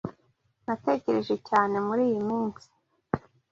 Natekereje cyane muri iyi minsi